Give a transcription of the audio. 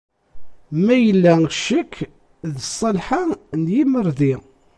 Ma yella ccekk, d ṣṣalḥa n yimerdi.